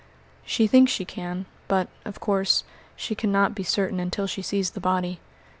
"She thinks she can, but, of course, she cannot be certain until she sees the body.